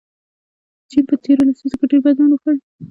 چین په تیرو لسیزو کې ډېر بدلون وکړ.